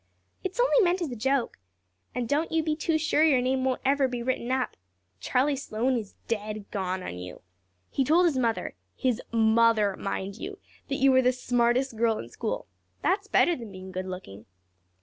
"It's only meant as a joke. And don't you be too sure your name won't ever be written up. Charlie Sloane is dead gone on you. He told his mother his mother, mind you that you were the smartest girl in school. That's better than being good looking."